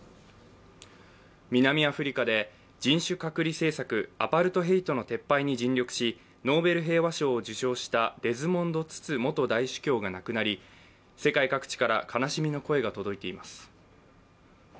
南アフリカで、人種隔離政策＝アパルトヘイトの撤廃に尽力しノーベル平和賞を受賞したデズモンド・ツツ元大主教が亡くなり、世界各地から悲しみの声が届いています。